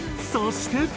そして。